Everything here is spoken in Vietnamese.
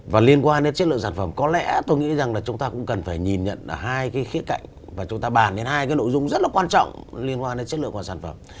và liên quan đến chất lượng sản phẩm có lẽ tôi nghĩ rằng là chúng ta cũng cần phải nhìn nhận ở hai cái khía cạnh và chúng ta bàn đến hai cái nội dung rất là quan trọng liên quan đến chất lượng của sản phẩm